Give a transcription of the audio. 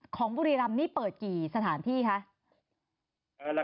ของบุรีรำนี่เปิดกี่สถานที่คะ